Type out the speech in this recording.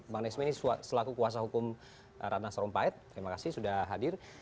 bang nesma ini selaku kuasa hukum ratna sarumpait terima kasih sudah hadir